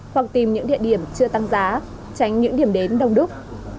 hoặc tìm những địa điểm chưa tăng giá tránh những điểm đến đông đúc